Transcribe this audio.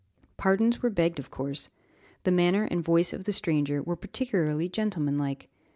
Pardons were begged of course. The manner and voice of the stranger were particularly gentlemanlike.